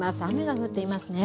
雨が降っていますね。